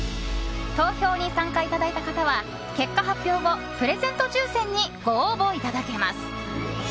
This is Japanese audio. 投票に参加いただいた方は結果発表後プレゼント抽選にご応募いただけます。